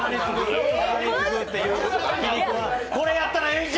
これやったらええんか？